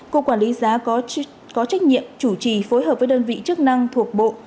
cục quản lý giá có trách nhiệm chủ trì phối hợp với đơn vị chức năng thuộc bộ